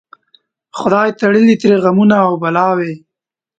خدای تړلي ترې غمونه او بلاوي